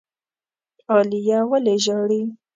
عالیه ولي ژاړي؟